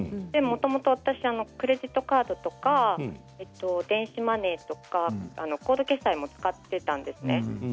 もともと私はクレジットカードとか、電子マネーとかコード決済も使っていたんですね。